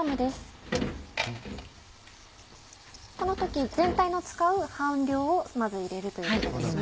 この時全体の使う半量をまず入れるということですね。